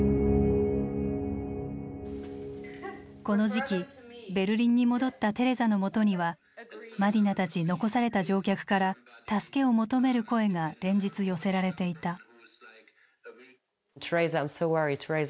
この時期ベルリンに戻ったテレザのもとにはマディナたち残された乗客から助けを求める声が連日寄せられていた。